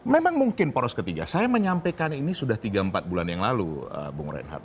memang mungkin poros ketiga saya menyampaikan ini sudah tiga empat bulan yang lalu bung reinhard